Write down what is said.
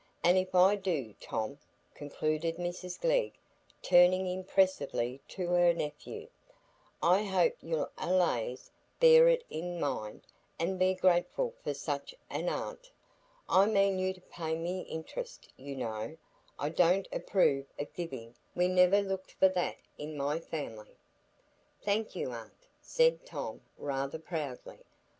And if I do, Tom," concluded Mrs Glegg, turning impressively to her nephew, "I hope you'll allays bear it in mind and be grateful for such an aunt. I mean you to pay me interest, you know; I don't approve o' giving; we niver looked for that in my family." "Thank you, aunt," said Tom, rather proudly.